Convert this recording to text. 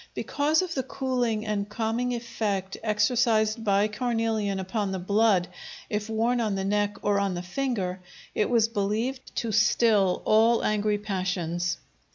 Because of the cooling and calming effect exercised by carnelian upon the blood, if worn on the neck or on the finger, it was believed to still all angry passions.